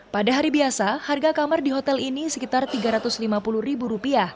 pada hari biasa harga kamar di hotel ini sekitar rp tiga ratus lima puluh